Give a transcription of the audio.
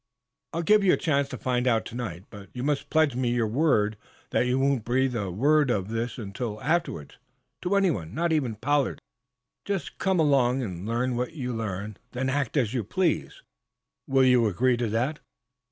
"I'll give you a chance to find out, to night, but you must pledge me your word that you won't breathe a word of this, until afterwards, to anyone, not even to Pollard. Just come along and learn what you learn, then act as you please. Will you agree to that?"